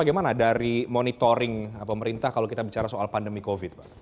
bagaimana dari monitoring pemerintah kalau kita bicara soal pandemi covid pak